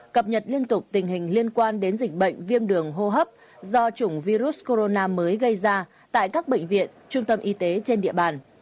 cập nhật liên tục tình hình liên quan đến dịch bệnh viêm đường hô hấp do chủng virus corona mới gây ra tại các bệnh viện trung tâm y tế trên địa bàn